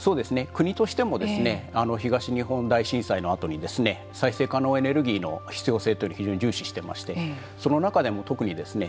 国としても東日本大震災のあとにですね再生可能エネルギーの必要性というのを非常に重視してましてその中でも特にですね